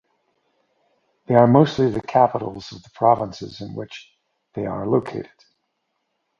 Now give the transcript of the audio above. They are mostly the capitals of the provinces in which they are located.